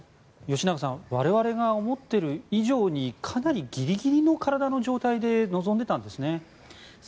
吉永さん我々が思っている以上にかなりギリギリの体の状態で臨んでいたんですね。